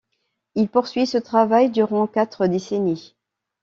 Il poursuit ce travail durant quatre décennies.